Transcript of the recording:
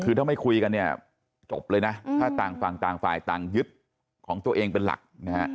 คือถ้าไม่คุยกันเนี่ยจบเลยนะถ้าต่างฝั่งต่างฝ่ายต่างยึดของตัวเองเป็นหลักนะฮะ